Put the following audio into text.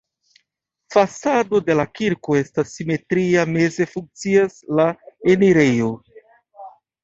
Fasado de la kirko estas simetria, meze funkcias la enirejo.